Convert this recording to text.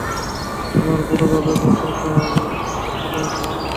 আমার বুড়ো বাপের মতো না আমি, কখনোই হবো না।